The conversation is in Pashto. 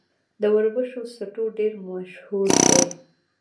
د وربشو سټو ډیر مشهور دی.